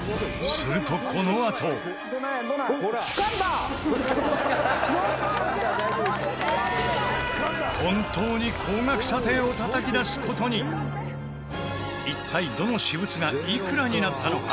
すると、このあと本当に高額査定をたたき出す事に一体、どの私物がいくらになったのか？